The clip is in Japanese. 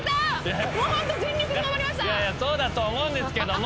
いやいやそうだと思うんですけども。